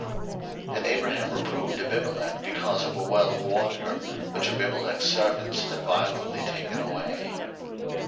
01:021:025 And Abraham reproved Abimelech because of a well of water, which Abimelech's servants had violently taken away.